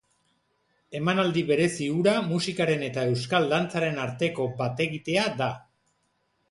Emanaldi berezi hura musikaren eta euskal dantzaren arteko bat-egitea da.